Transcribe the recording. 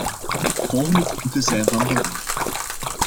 De volgende punten zijn van belang.